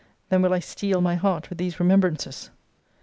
Then will I steel my heart with these remembrances.